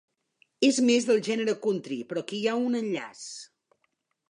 És més del gènere country però aquí hi ha un enllaç.